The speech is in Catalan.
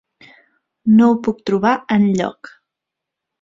No ho puc trobar enlloc.